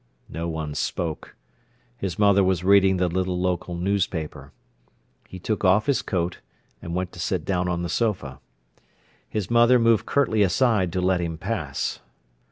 No one spoke. His mother was reading the little local newspaper. He took off his coat, and went to sit down on the sofa. His mother moved curtly aside to let him pass.